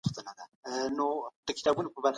ما د ګروپ رڼا ته مطالعه کوله.